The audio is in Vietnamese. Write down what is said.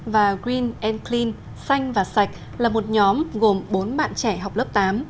và green and clean xanh và sạch là một nhóm gồm bốn bạn trẻ học lớp tám